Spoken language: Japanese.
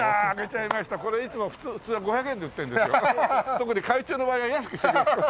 特に会長の場合は安くしときますから。